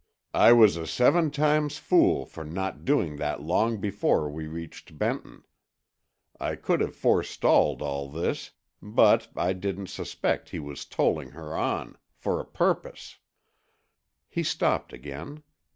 I was a seven times fool for not doing that long before we reached Benton. I could have forestalled all this. But I didn't suspect he was tolling her on—for a purpose." He stopped again.